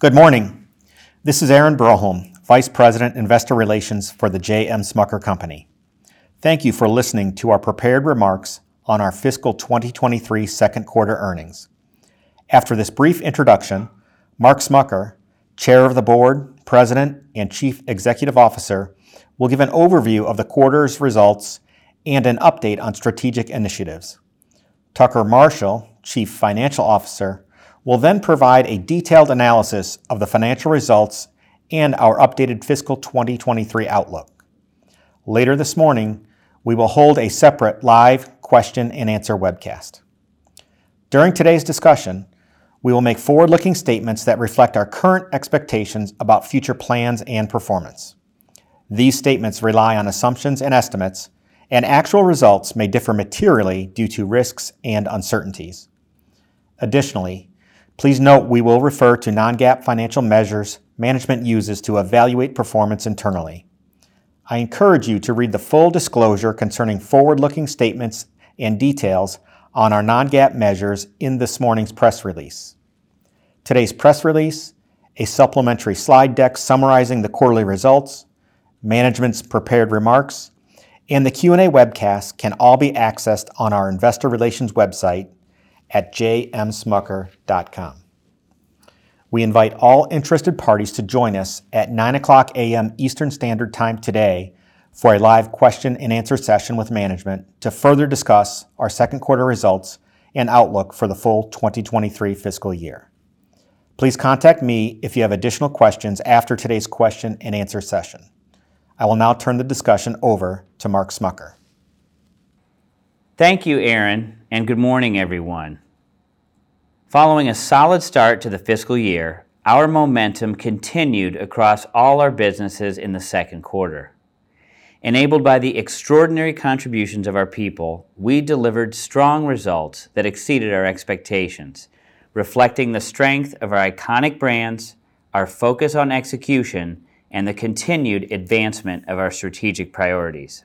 Good morning. This is Aaron Broholm, Vice President, Investor Relations for The J. M. Smucker Company. Thank you for listening to our prepared remarks on our fiscal 2023 second quarter earnings. After this brief introduction, Mark Smucker, Chair of the Board, President, and Chief Executive Officer, will give an overview of the quarter's results and an update on strategic initiatives. Tucker Marshall, Chief Financial Officer, will then provide a detailed analysis of the financial results and our updated fiscal 2023 outlook. Later this morning, we will hold a separate live question and answer webcast. During today's discussion, we will make forward-looking statements that reflect our current expectations about future plans and performance. These statements rely on assumptions and estimates, and actual results may differ materially due to risks and uncertainties. Additionally, please note we will refer to non-GAAP financial measures management uses to evaluate performance internally. I encourage you to read the full disclosure concerning forward-looking statements and details on our non-GAAP measures in this morning's press release. Today's press release, a supplementary slide deck summarizing the quarterly results, management's prepared remarks, and the Q&A webcast can all be accessed on our Investor Relations website at jmsmucker.com. We invite all interested parties to join us at 9:00 A.M. Eastern Standard Time today for a live question and answer session with management to further discuss our second quarter results and outlook for the full 2023 fiscal year. Please contact me if you have additional questions after today's question and answer session. I will now turn the discussion over to Mark Smucker. Thank you, Aaron, and good morning, everyone. Following a solid start to the fiscal year, our momentum continued across all our businesses in the second quarter. Enabled by the extraordinary contributions of our people, we delivered strong results that exceeded our expectations, reflecting the strength of our iconic brands, our focus on execution, and the continued advancement of our strategic priorities.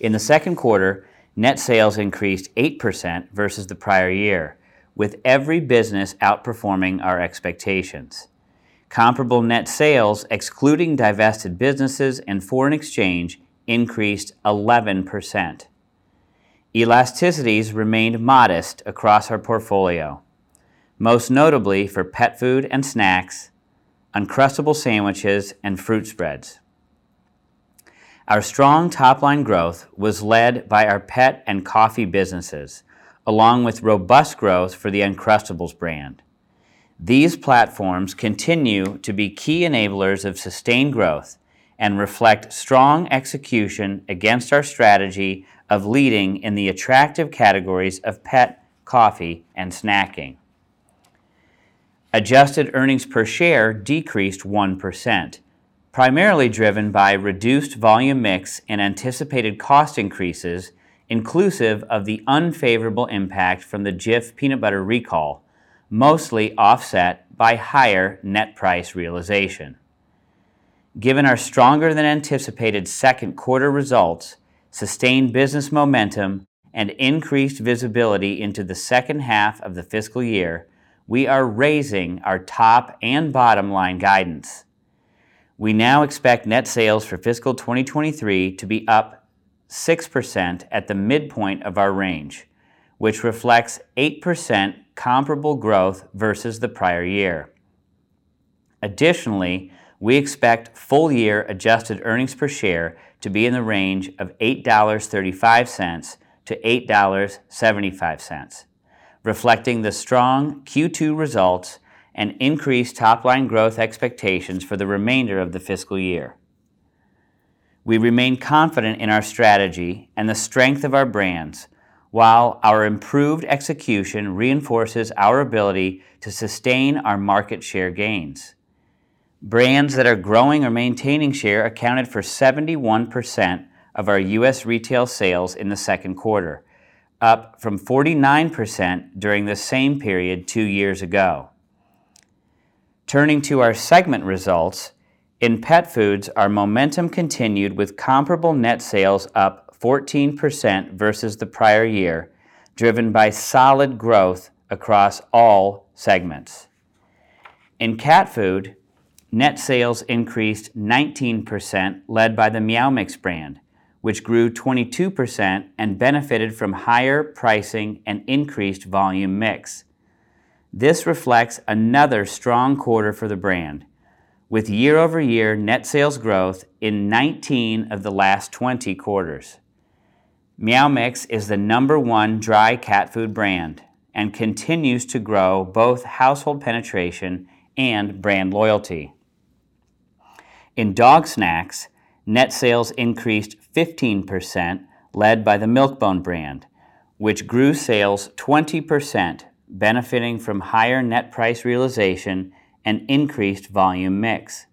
In the second quarter, net sales increased 8% versus the prior year, with every business outperforming our expectations. Comparable net sales, excluding divested businesses and foreign exchange, increased 11%. Elasticities remained modest across our portfolio, most notably for pet food and snacks, Uncrustables sandwiches, and fruit spreads. Our strong top-line growth was led by our pet and coffee businesses, along with robust growth for the Uncrustables brand. These platforms continue to be key enablers of sustained growth and reflect strong execution against our strategy of leading in the attractive categories of pet, coffee, and snacking. Adjusted earnings per share decreased 1%, primarily driven by reduced volume mix and anticipated cost increases, inclusive of the unfavorable impact from the Jif peanut butter recall, mostly offset by higher net price realization. Given our stronger than anticipated second quarter results, sustained business momentum, and increased visibility into the second half of the fiscal year, we are raising our top and bottom line guidance. We now expect net sales for fiscal 2023 to be up 6% at the midpoint of our range, which reflects 8% comparable growth versus the prior year. Additionally, we expect full year adjusted earnings per share to be in the range of $8.35-$8.75, reflecting the strong Q2 results and increased top-line growth expectations for the remainder of the fiscal year. We remain confident in our strategy and the strength of our brands, while our improved execution reinforces our ability to sustain our market share gains. Brands that are growing or maintaining share accounted for 71% of our U.S. retail sales in the second quarter, up from 49% during the same period two years ago. Turning to our segment results, in Pet Foods, our momentum continued with comparable net sales up 14% versus the prior year, driven by solid growth across all segments. In cat food, net sales increased 19% led by the Meow Mix brand, which grew 22% and benefited from higher pricing and increased volume mix. This reflects another strong quarter for the brand, with year-over-year net sales growth in 19 of the last 20 quarters. Meow Mix is the number one dry cat food brand and continues to grow both household penetration and brand loyalty. In dog snacks, net sales increased 15% led by the Milk-Bone brand, which grew sales 20%, benefiting from higher net price realization and increased volume mix.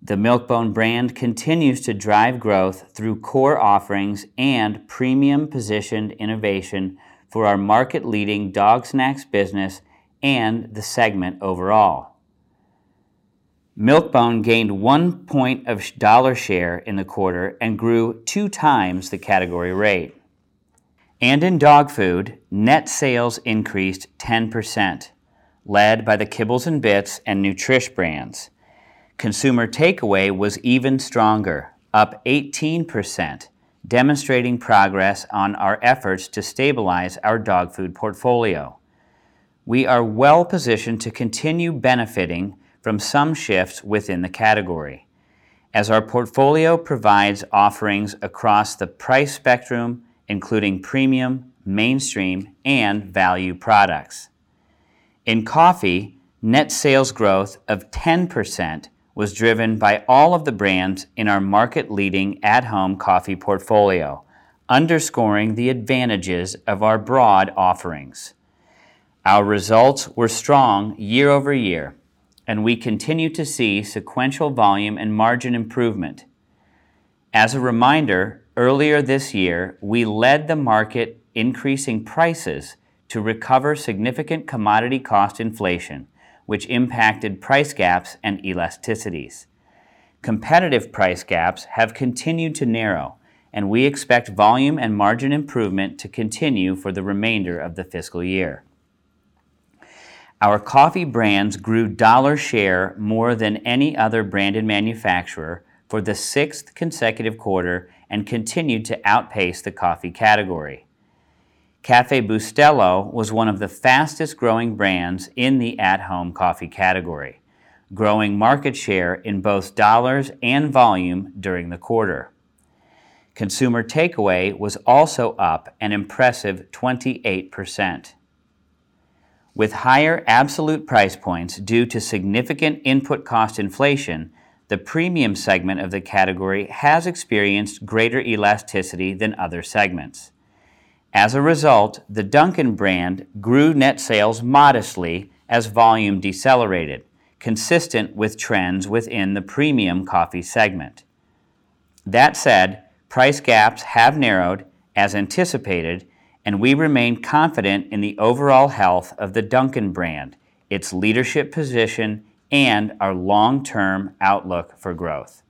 The Milk-Bone brand continues to drive growth through core offerings and premium positioned innovation for our market leading dog snacks business and the segment overallMilk-Bone gained one point of dollar share in the quarter and grew 2x the category rate. In dog food, net sales increased 10%, led by the Kibbles 'n Bits and Nutrish brands. Consumer takeaway was even stronger, up 18%, demonstrating progress on our efforts to stabilize our dog food portfolio. We are well-positioned to continue benefiting from some shifts within the category as our portfolio provides offerings across the price spectrum, including premium, mainstream, and value products. In coffee, net sales growth of 10% was driven by all of the brands in our market-leading at-home coffee portfolio, underscoring the advantages of our broad offerings. Our results were strong year-over-year, and we continue to see sequential volume and margin improvement. As a reminder, earlier this year, we led the market increasing prices to recover significant commodity cost inflation, which impacted price gaps and elasticities. Competitive price gaps have continued to narrow, and we expect volume and margin improvement to continue for the remainder of the fiscal year. Our coffee brands grew dollar share more than any other branded manufacturer for the 6th consecutive quarter and continued to outpace the coffee category. Café Bustelo was one of the fastest-growing brands in the at-home coffee category, growing market share in both dollars and volume during the quarter. Consumer takeaway was also up an impressive 28%. With higher absolute price points due to significant input cost inflation, the premium segment of the category has experienced greater elasticity than other segments. As a result, the Dunkin' brand grew net sales modestly as volume decelerated, consistent with trends within the premium coffee segment. That said, price gaps have narrowed as anticipated, we remain confident in the overall health of the Dunkin' brand, its leadership position, and our long-term outlook for growth.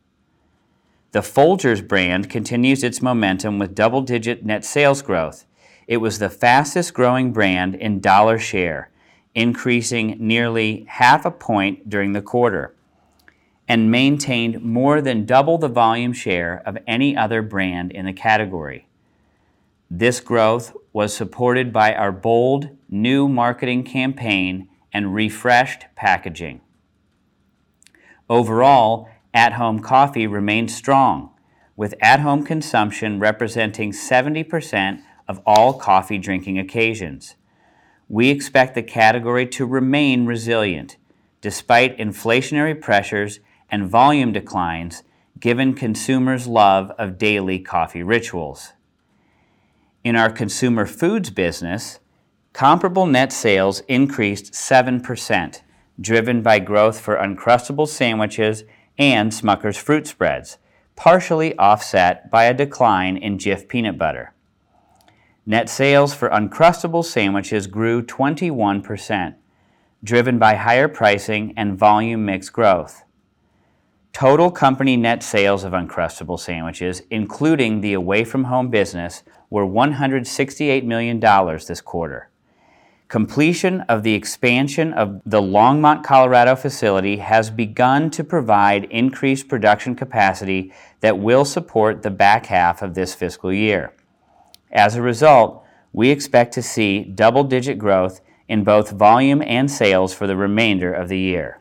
The Folgers brand continues its momentum with double-digit net sales growth. It was the fastest-growing brand in dollar share, increasing nearly half a point during the quarter and maintained more than double the volume share of any other brand in the category. This growth was supported by our bold new marketing campaign and refreshed packaging. Overall, at-home coffee remains strong, with at-home consumption representing 70% of all coffee drinking occasions. We expect the category to remain resilient despite inflationary pressures and volume declines given consumers' love of daily coffee rituals. In our consumer foods business, comparable net sales increased 7%, driven by growth for Uncrustables sandwiches and Smucker's fruit spreads, partially offset by a decline in Jif peanut butter. Net sales for Uncrustables sandwiches grew 21%, driven by higher pricing and volume mix growth. Total company net sales of Uncrustables sandwiches, including the Away From Home business, were $168 million this quarter. Completion of the expansion of the Longmont, Colorado, facility has begun to provide increased production capacity that will support the back half of this fiscal year. As a result, we expect to see double-digit growth in both volume and sales for the remainder of the year.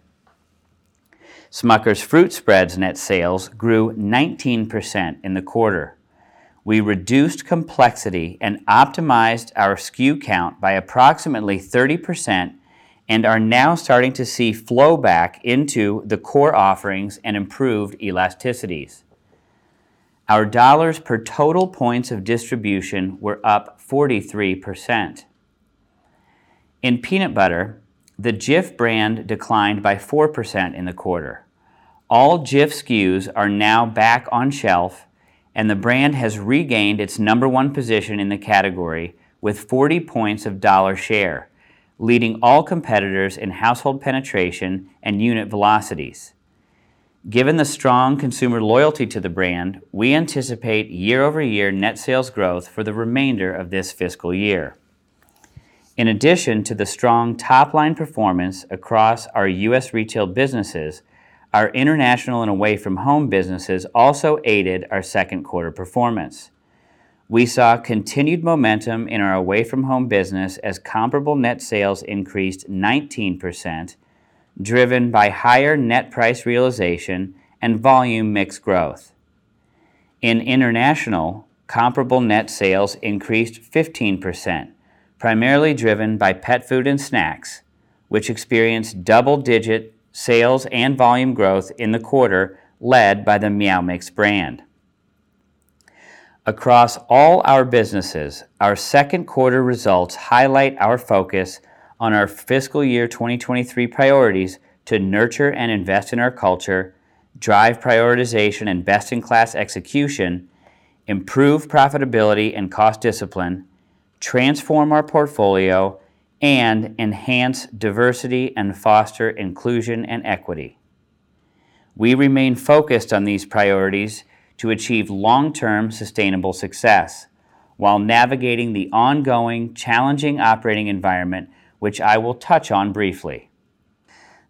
Smucker's fruit spreads net sales grew 19% in the quarter. We reduced complexity and optimized our SKU count by approximately 30% and are now starting to see flowback into the core offerings and improved elasticities. Our dollars per total points of distribution were up 43%. In peanut butter, the Jif brand declined by 4% in the quarter. All Jif SKUs are now back on shelf. The brand has regained its number one position in the category with 40 points of dollar share, leading all competitors in household penetration and unit velocities. Given the strong consumer loyalty to the brand, we anticipate year-over-year net sales growth for the remainder of this fiscal year. In addition to the strong top-line performance across our U.S. retail businesses, our International and Away From Home businesses also aided our second quarter performance. We saw continued momentum in our Away From Home business as comparable net sales increased 19%, driven by higher net price realization and volume mix growth. In International, comparable net sales increased 15%, primarily driven by pet food and snacks, which experienced double-digit sales and volume growth in the quarter, led by the Meow Mix brand. Across all our businesses, our second quarter results highlight our focus on our fiscal year 2023 priorities to nurture and invest in our culture, drive prioritization and best-in-class execution, improve profitability and cost discipline, transform our portfolio, and enhance diversity and foster inclusion and equity. We remain focused on these priorities to achieve long-term sustainable success while navigating the ongoing challenging operating environment, which I will touch on briefly.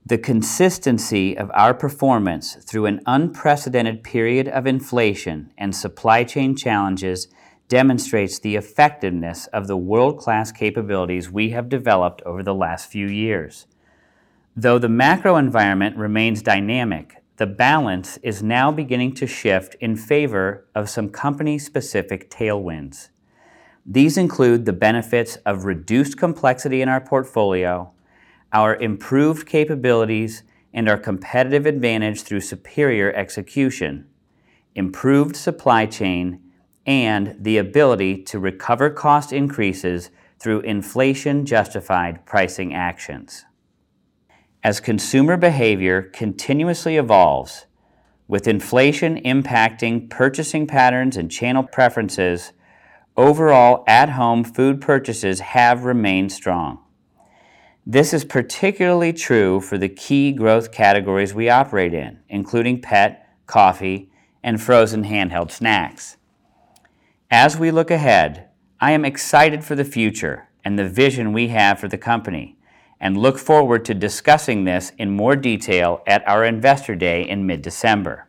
The consistency of our performance through an unprecedented period of inflation and supply chain challenges demonstrates the effectiveness of the world-class capabilities we have developed over the last few years. Though the macro environment remains dynamic, the balance is now beginning to shift in favor of some company-specific tailwinds. These include the benefits of reduced complexity in our portfolio, our improved capabilities and our competitive advantage through superior execution, improved supply chain, and the ability to recover cost increases through inflation justified pricing actions. As consumer behavior continuously evolves with inflation impacting purchasing patterns and channel preferences, overall at-home food purchases have remained strong. This is particularly true for the key growth categories we operate in, including pet, coffee, and frozen handheld snacks. As we look ahead, I am excited for the future and the vision we have for the company and look forward to discussing this in more detail at our Investor Day in mid-December.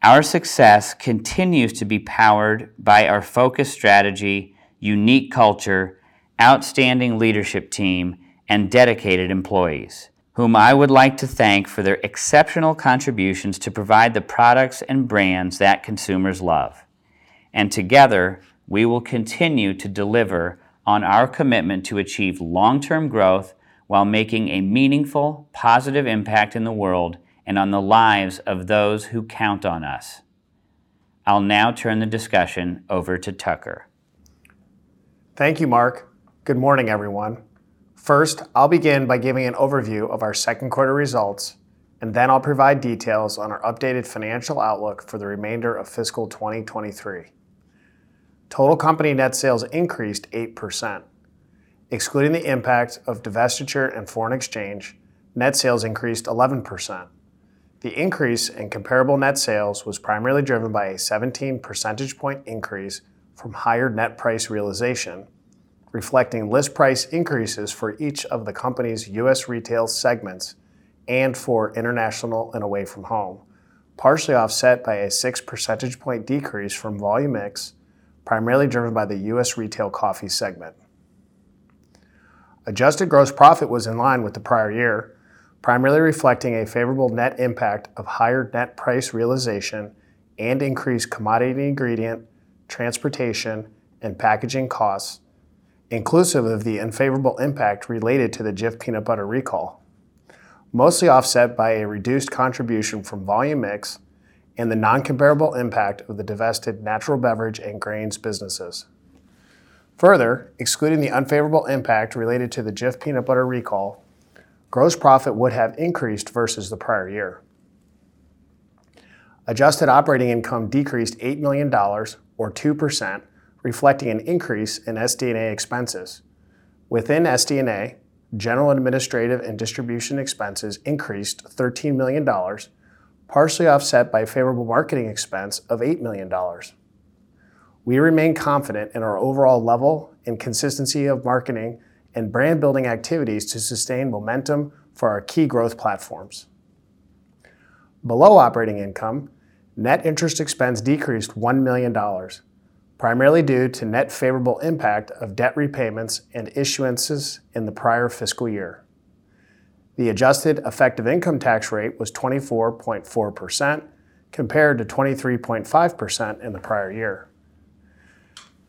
Our success continues to be powered by our focused strategy, unique culture, outstanding leadership team, and dedicated employees, whom I would like to thank for their exceptional contributions to provide the products and brands that consumers love. Together, we will continue to deliver on our commitment to achieve long-term growth while making a meaningful, positive impact in the world and on the lives of those who count on us. I'll now turn the discussion over to Tucker. Thank you, Mark. Good morning, everyone. First, I'll begin by giving an overview of our second quarter results, and then I'll provide details on our updated financial outlook for the remainder of fiscal 2023. Total company net sales increased 8%. Excluding the impact of divestiture and foreign exchange, net sales increased 11%. The increase in comparable net sales was primarily driven by a 17 percentage point increase from higher net price realization, reflecting list price increases for each of the company's U.S. retail segments and for International and Away From Home, partially offset by a six percentage point decrease from volume mix, primarily driven by the U.S. Retail Coffee segment. Adjusted gross profit was in line with the prior year, primarily reflecting a favorable net impact of higher net price realization and increased commodity ingredient, transportation, and packaging costs, inclusive of the unfavorable impact related to the Jif peanut butter recall. Mostly offset by a reduced contribution from volume mix and the non-comparable impact of the divested natural beverage and grains businesses. Further, excluding the unfavorable impact related to the Jif peanut butter recall, gross profit would have increased versus the prior year. Adjusted operating income decreased $8 million or 2%, reflecting an increase in SD&A expenses. Within SD&A, general administrative and distribution expenses increased $13 million, partially offset by a favorable marketing expense of $8 million. We remain confident in our overall level and consistency of marketing and brand building activities to sustain momentum for our key growth platforms. Below operating income, net interest expense decreased $1 million, primarily due to net favorable impact of debt repayments and issuances in the prior fiscal year. The adjusted effective income tax rate was 24.4% compared to 23.5% in the prior year.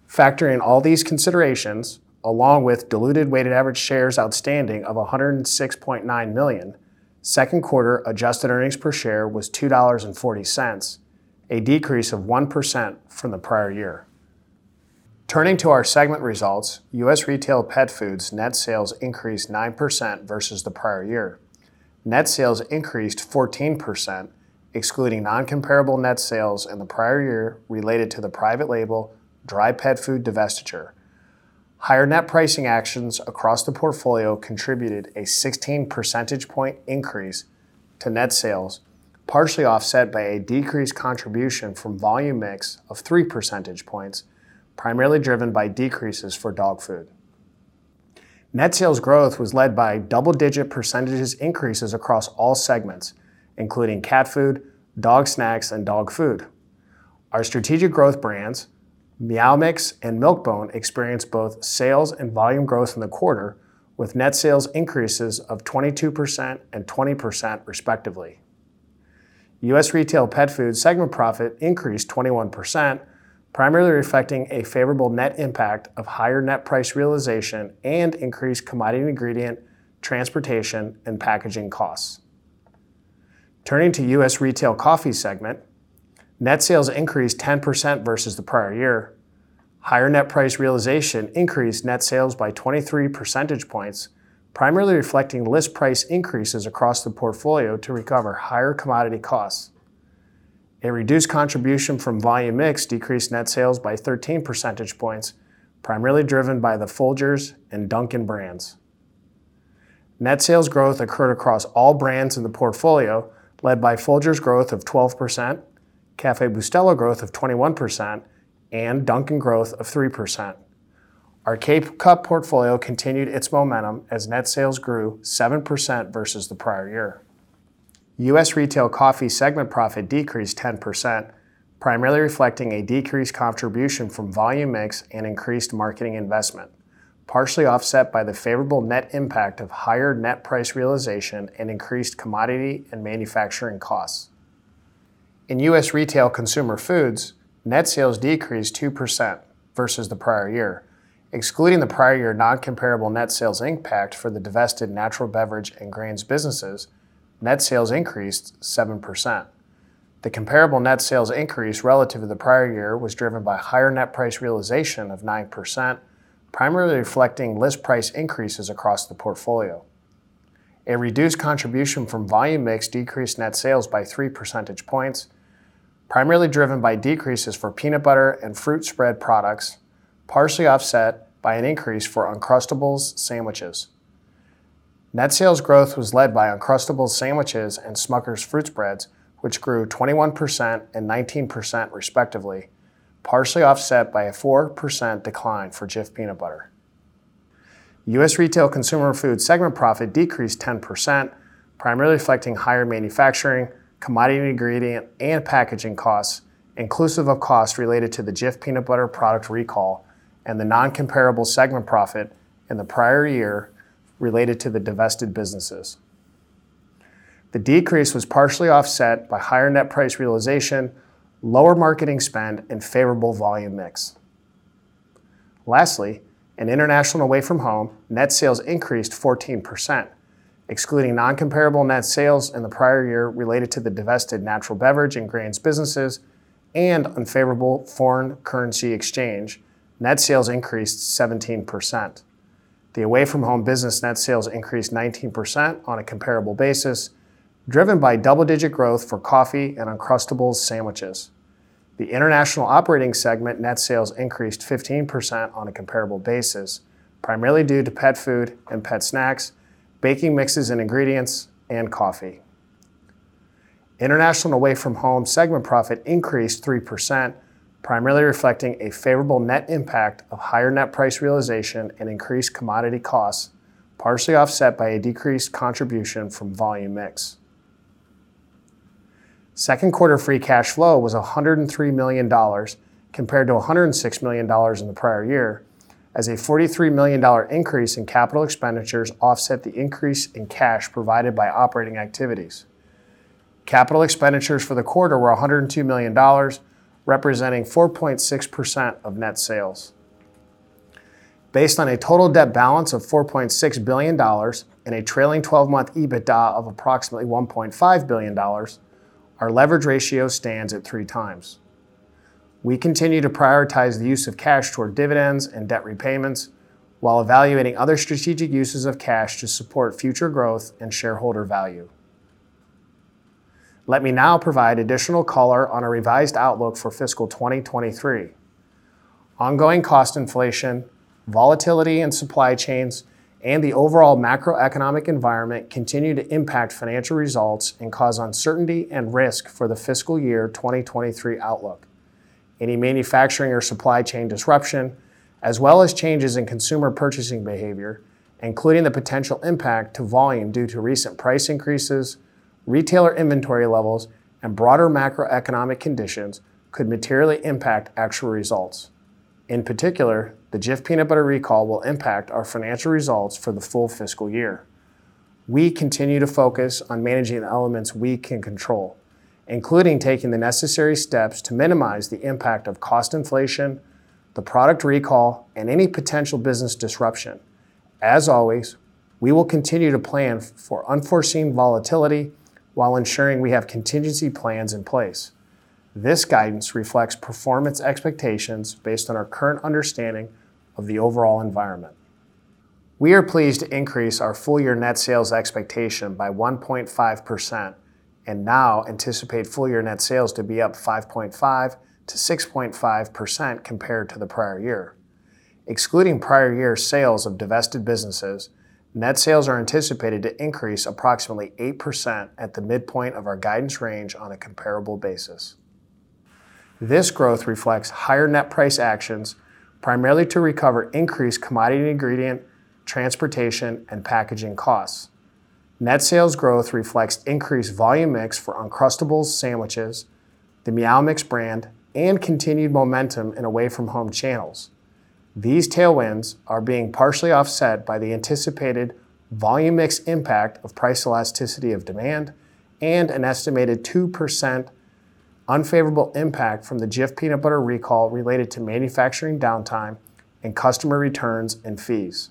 Factoring all these considerations, along with diluted weighted average shares outstanding of 106.9 million, second quarter adjusted earnings per share was $2.40, a decrease of 1% from the prior year. Turning to our segment results, U.S. Retail Pet Foods net sales increased 9% versus the prior year. Net sales increased 14%, excluding non-comparable net sales in the prior year related to the private label dry pet food divestiture. Higher net pricing actions across the portfolio contributed a 16 percentage point increase to net sales, partially offset by a decreased contribution from volume mix of three percentage points, primarily driven by decreases for dog food. Net sales growth was led by double-digit percentages increases across all segments, including cat food, dog snacks, and dog food. Our strategic growth brands, Meow Mix and Milk-Bone, experienced both sales and volume growth in the quarter with net sales increases of 22% and 20%, respectively. U.S. Retail Pet Foods segment profit increased 21%, primarily reflecting a favorable net impact of higher net price realization and increased commodity ingredient, transportation, and packaging costs. Turning to U.S. Retail Coffee segment, net sales increased 10% versus the prior year. Higher net price realization increased net sales by 23 percentage points, primarily reflecting list price increases across the portfolio to recover higher commodity costs. A reduced contribution from volume mix decreased net sales by 13 percentage points, primarily driven by the Folgers and Dunkin' brands. Net sales growth occurred across all brands in the portfolio, led by Folgers growth of 12%, Café Bustelo growth of 21%, and Dunkin' growth of 3%. Our K-Cup portfolio continued its momentum as net sales grew 7% versus the prior year. U.S. Retail Coffee segment profit decreased 10%, primarily reflecting a decreased contribution from volume mix and increased marketing investment, partially offset by the favorable net impact of higher net price realization and increased commodity and manufacturing costs. In U.S. Retail Consumer Foods, net sales decreased 2% versus the prior year. Excluding the prior year non-comparable net sales impact for the divested natural beverage and grains businesses, net sales increased 7%. The comparable net sales increase relative to the prior year was driven by higher net price realization of 9%, primarily reflecting list price increases across the portfolio. A reduced contribution from volume mix decreased net sales by three percentage points, primarily driven by decreases for peanut butter and fruit spread products, partially offset by an increase for Uncrustables sandwiches. Net sales growth was led by Uncrustables sandwiches and Smucker's fruit spreads, which grew 21% and 19% respectively, partially offset by a 4% decline for Jif peanut butter. U.S. Retail Consumer Foods segment profit decreased 10%, primarily reflecting higher manufacturing, commodity ingredient, and packaging costs, inclusive of costs related to the Jif peanut butter product recall and the non-comparable segment profit in the prior year related to the divested businesses. The decrease was partially offset by higher net price realization, lower marketing spend, and favorable volume mix. In International and Away From Home, net sales increased 14%. Excluding non-comparable net sales in the prior year related to the divested natural Beverage and Grains businesses and unfavorable foreign currency exchange, net sales increased 17%. The Away From Home business net sales increased 19% on a comparable basis, driven by double-digit growth for coffee and Uncrustables sandwiches. The International operating segment net sales increased 15% on a comparable basis, primarily due to pet food and pet snacks, baking mixes and ingredients, and coffee. International and Away From Home segment profit increased 3%, primarily reflecting a favorable net impact of higher net price realization and increased commodity costs, partially offset by a decreased contribution from volume mix. Second quarter free cash flow was $103 million, compared to $106 million in the prior year, as a $43 million increase in capital expenditures offset the increase in cash provided by operating activities. Capital expenditures for the quarter were $102 million, representing 4.6% of net sales. Based on a total debt balance of $4.6 billion and a trailing twelve-month EBITDA of approximately $1.5 billion, our leverage ratio stands at 3x. We continue to prioritize the use of cash toward dividends and debt repayments, while evaluating other strategic uses of cash to support future growth and shareholder value. Let me now provide additional color on our revised outlook for fiscal 2023. Ongoing cost inflation, volatility in supply chains, and the overall macroeconomic environment continue to impact financial results and cause uncertainty and risk for the fiscal year 2023 outlook. Any manufacturing or supply chain disruption, as well as changes in consumer purchasing behavior, including the potential impact to volume due to recent price increases, retailer inventory levels, and broader macroeconomic conditions, could materially impact actual results. In particular, the Jif peanut butter recall will impact our financial results for the full fiscal year. We continue to focus on managing the elements we can control, including taking the necessary steps to minimize the impact of cost inflation, the product recall, and any potential business disruption. As always, we will continue to plan for unforeseen volatility while ensuring we have contingency plans in place. This guidance reflects performance expectations based on our current understanding of the overall environment. We are pleased to increase our full year net sales expectation by 1.5% and now anticipate full year net sales to be up 5.5%-6.5% compared to the prior year. Excluding prior year sales of divested businesses, net sales are anticipated to increase approximately 8% at the midpoint of our guidance range on a comparable basis. This growth reflects higher net price actions, primarily to recover increased commodity ingredient, transportation, and packaging costs. Net sales growth reflects increased volume mix for Uncrustables sandwiches, the Meow Mix brand, and continued momentum in away from home channels. These tailwinds are being partially offset by the anticipated volume mix impact of price elasticity of demand and an estimated 2% unfavorable impact from the Jif peanut butter recall related to manufacturing downtime and customer returns and fees.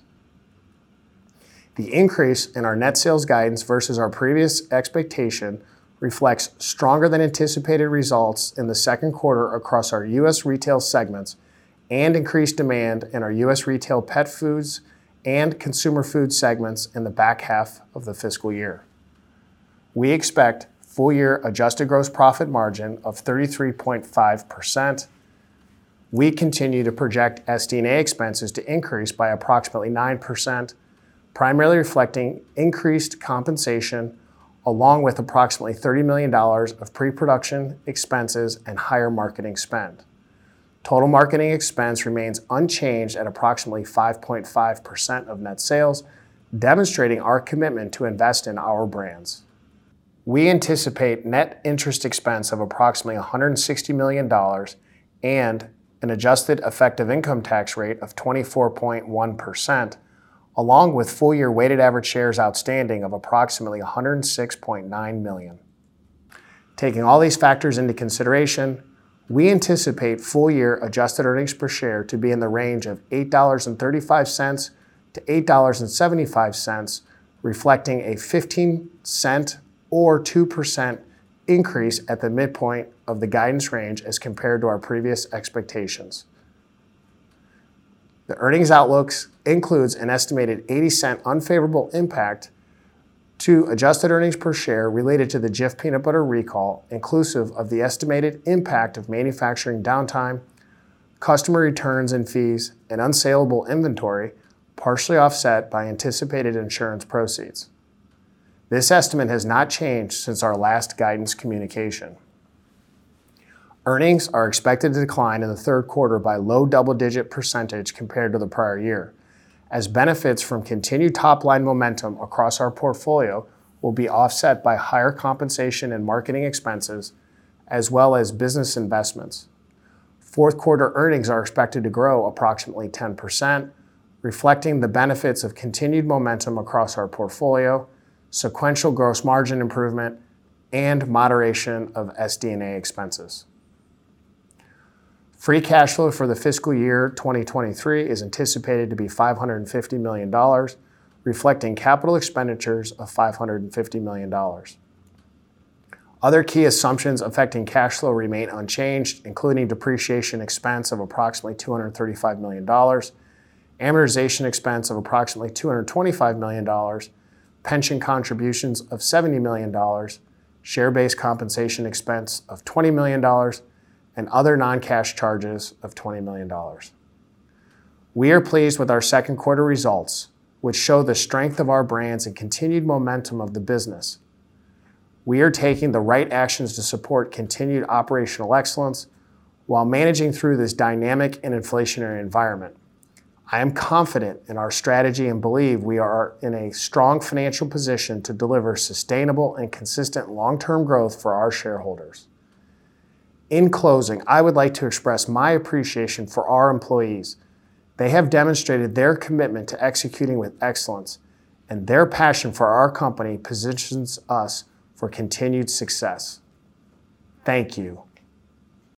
The increase in our net sales guidance versus our previous expectation reflects stronger than anticipated results in the second quarter across our U.S. retail segments and increased demand in our U.S. Retail Pet Foods and U.S. Retail Consumer Foods segments in the back half of the fiscal year. We expect full-year adjusted gross profit margin of 33.5%. We continue to project SD&A expenses to increase by approximately 9%, primarily reflecting increased compensation along with approximately $30 million of pre-production expenses and higher marketing spend. Total marketing expense remains unchanged at approximately 5.5% of net sales, demonstrating our commitment to invest in our brands. We anticipate net interest expense of approximately $160 million and an adjusted effective income tax rate of 24.1%, along with full-year weighted average shares outstanding of approximately 106.9 million. Taking all these factors into consideration, we anticipate full-year adjusted earnings per share to be in the range of $8.35-$8.75, reflecting a $0.15 or 2% increase at the midpoint of the guidance range as compared to our previous expectations. The earnings outlooks includes an estimated $0.80 unfavorable impact to adjusted earnings per share related to the Jif Peanut Butter recall, inclusive of the estimated impact of manufacturing downtime, customer returns and fees, and unsaleable inventory, partially offset by anticipated insurance proceeds. This estimate has not changed since our last guidance communication. Earnings are expected to decline in the third quarter by low double-digit % compared to the prior year, as benefits from continued top-line momentum across our portfolio will be offset by higher compensation and marketing expenses as well as business investments. Fourth quarter earnings are expected to grow approximately 10%, reflecting the benefits of continued momentum across our portfolio, sequential gross margin improvement, and moderation of SD&A expenses. Free cash flow for the fiscal year 2023 is anticipated to be $550 million, reflecting capital expenditures of $550 million. Other key assumptions affecting cash flow remain unchanged, including depreciation expense of approximately $235 million, amortization expense of approximately $225 million, pension contributions of $70 million, share-based compensation expense of $20 million, and other non-cash charges of $20 million. We are pleased with our second quarter results, which show the strength of our brands and continued momentum of the business. We are taking the right actions to support continued operational excellence while managing through this dynamic and inflationary environment. I am confident in our strategy and believe we are in a strong financial position to deliver sustainable and consistent long-term growth for our shareholders. In closing, I would like to express my appreciation for our employees. They have demonstrated their commitment to executing with excellence, and their passion for our company positions us for continued success. Thank you.